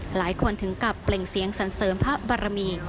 หลายคนถึงกับเปล่งเสียงสันเสริมพระบรมี